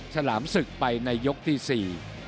ฉลามศึกไปในยกที่สี่